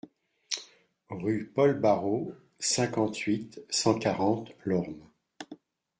Rue Paul Barreau, cinquante-huit, cent quarante Lormes